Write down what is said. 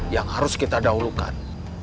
yang harus kita dahulukan